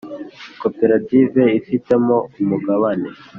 Koperative ifitemo umugabane